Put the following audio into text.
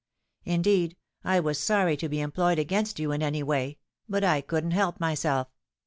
Indeed, I was sorry to be employed against you in any way: but I couldn't help myself.